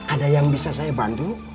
ada yang bisa saya bantu